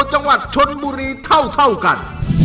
จังหวัดชนบุรีเท่ากัน